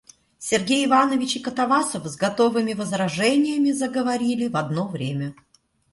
Сергей Иванович и Катавасов с готовыми возражениями заговорили в одно время.